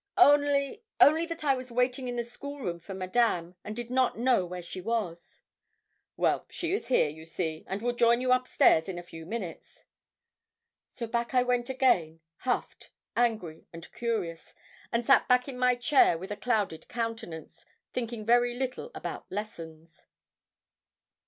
'Only only that I was waiting in the school room for Madame, and did not know where she was.' 'Well, she is here, you see, and will join you up stairs in a few minutes.' So back I went again, huffed, angry, and curious, and sat back in my chair with a clouded countenance, thinking very little about lessons.